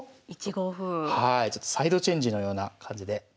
ちょっとサイドチェンジのような感じで。